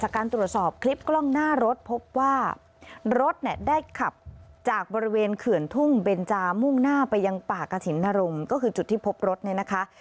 การตรวจสอบคลิปกล้องหน้ารถพบว่ารถเนี่ยได้ขับจากบริเวณเขื่อนทุ่งเบนจามุ่งหน้าไปยังป่ากระถิ่นนรงค์ก็คือจุดที่พบรถเนี่ยนะคะ